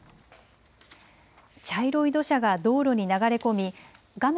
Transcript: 茶色い土砂が道路に流れ込み画面